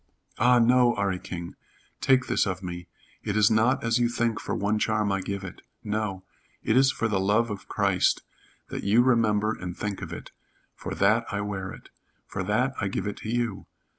"Ah, no, 'Arry King! Take this of me. It is not as you think for one charm I give it. No. It is for the love of Christ that you remember and think of it. For that I wear it. For that I give it to you.